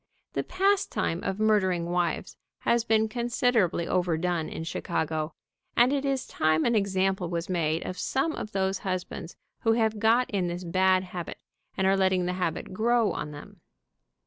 The pastime of murdering wives has been considerably overdone in Chicago, and it is time an example was made of some of those hus bands who have got in this bad habit, and are let ting the habit grow on them.